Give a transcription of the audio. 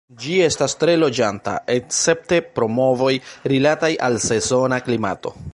Ĝi estas tre loĝanta escepte pro movoj rilataj al sezona klimato.